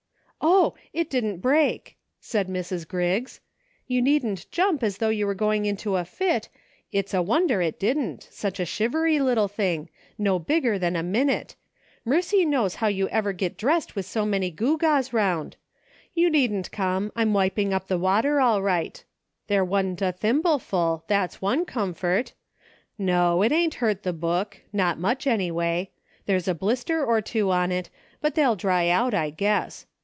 "Oh! it didn't break," said Mrs. Griggs; "you needn't jump as though you were going into a fit ; it's a wonder it didn't ; such a shivery little thing, no bigger than a minute. Mercy knows how you ever git dressed with so many gewgaws round ! You needn't come ; I'm wiping up the water all right ; there wa'n't a thimble full, that's one com fort. No, it ain't hurt the book ; not much, any way. There's a blister or two on it, but they'll dry out, I guess.